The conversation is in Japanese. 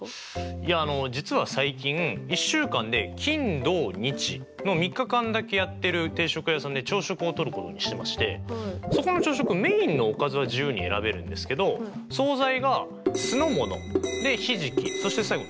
いやあの実は最近１週間で金土日の３日間だけやってる定食屋さんで朝食をとることにしてましてそこの朝食メインのおかずは自由に選べるんですけど総菜が酢の物ひじきそして最後に白あえ